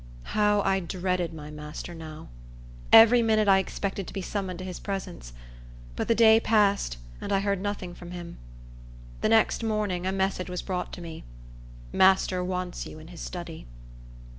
How I dreaded my master now! Every minute I expected to be summoned to his presence; but the day passed, and I heard nothing from him. The next morning, a message was brought to me: "Master wants you in his study."